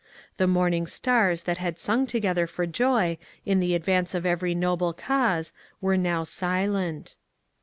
The morning stars that had sung together for joy in the advance of every noble cause were now silent.